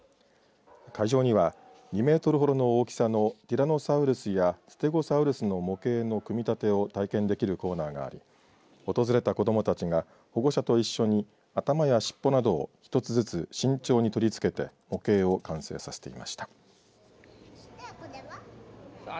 会場には２メートルほどの大きさのティラノサウルスやステゴサウルスの模型の組み立てを体験できるコーナーがあり訪れた子どもたちが保護者と一緒に頭や尻尾などを一つずつ慎重に取り付けて模型を完成させていました。